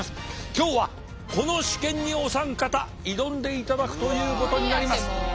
今日はこの試験にお三方挑んでいただくということになります。